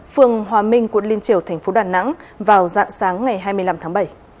phường hòa minh quận liên triều thành phố đà nẵng vào dạng sáng ngày hai mươi năm tháng bảy